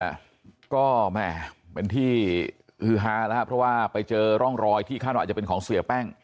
เนี้ยก็แหม่เป็นที่ลื้อฮาระค่ะเพราะว่าไปเจอร่องรอยที่ค่าหนอยจะเป็นของเสียแป้ง